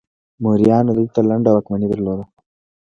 موریانو دلته لنډه واکمني درلوده